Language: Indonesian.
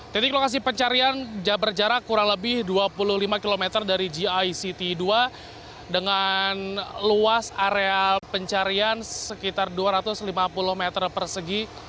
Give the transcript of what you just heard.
titik lokasi pencarian berjarak kurang lebih dua puluh lima km dari gict dua dengan luas area pencarian sekitar dua ratus lima puluh meter persegi